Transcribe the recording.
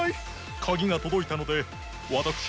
カギがとどいたのでわたくし